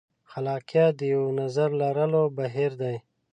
خلاقیت د یوه نظر لرلو بهیر دی.